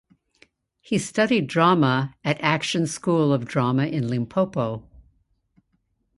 He studied drama at Action School of Drama in Limpopo.